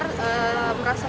khususnya bagi tenaga pendidikan